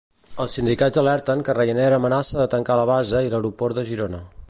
Els sindicats alerten que Ryanair amenaça de tancar la base i l'aeroport de Girona.